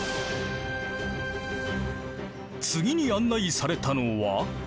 次に案内されたのは。